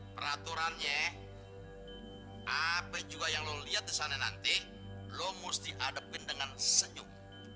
peraturannya apa juga yang lo lihat di sana nanti lo mesti hadapin dengan senyum